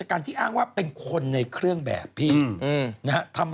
การที่อ้างว่าเป็นคนในเครื่องแบบพี่อืมอืมนะฮะทำ